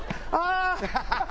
あ！